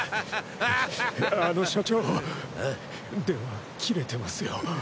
電話切れてますよ。